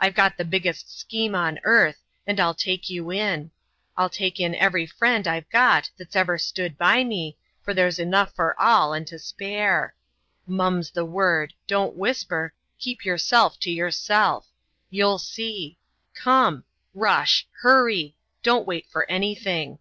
I've got the biggest scheme on earth and I'll take you in; I'll take in every friend I've got that's ever stood by me, for there's enough for all, and to spare. Mum's the word don't whisper keep yourself to yourself. You'll see! Come! rush! hurry! don't wait for anything!'